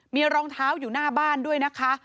มีรองเท้าอยู่หน้าบ้านด้วยนะคะ